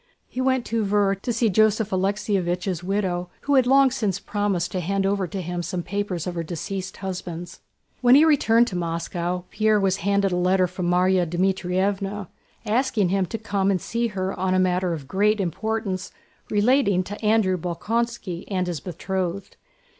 He went to Tver to see Joseph Alexéevich's widow, who had long since promised to hand over to him some papers of her deceased husband's. When he returned to Moscow Pierre was handed a letter from Márya Dmítrievna asking him to come and see her on a matter of great importance relating to Andrew Bolkónski and his betrothed.